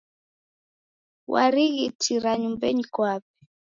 Warighitira nyumbenyi kwape.